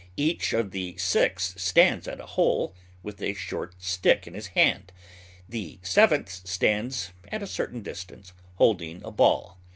Each of the six stands at a hole, with a short stick in his hand; the seventh stands at a certain distance, holding a ball.